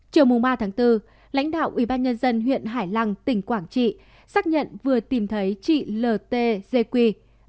chiều ba bốn lãnh đạo ủy ban nhân dân huyện hải lăng tỉnh quảng trị xác nhận vừa tìm thấy chị l t dê quy